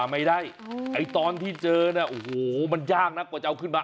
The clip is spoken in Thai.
ไม่ได้ไอ้ตอนที่เจอเนี่ยโอ้โหมันยากนะกว่าจะเอาขึ้นมา